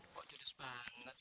kok judes banget sih